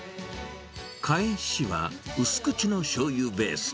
かえしは薄口のしょうゆベース。